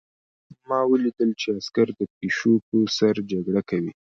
ما ولیدل چې عسکر د پیشو په سر جګړه کوي